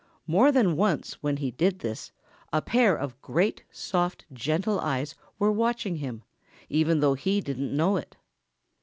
More than once when he did this a pair of great, soft, gentle eyes were watching him, though he didn't know it.